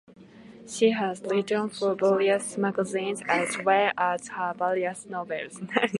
She has written for various magazines as well as her various novels.